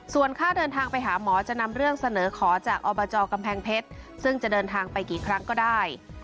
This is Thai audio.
ส่วนค่าเดินทางไปหาหมอจะนำเรื่องเสนอขอจากอบจกำแพงเพชรซึ่งจะเดินทางไปกี่ครั้งก็ได้